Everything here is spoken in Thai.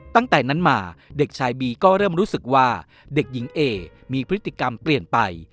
ตั้งแต่นั้นมาเด็กชายบีก็เริ่มรู้สึกว่าเด็กหญิงเอมีพฤติกรรมเปลี่ยนไป